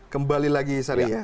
kembali lagi seri ya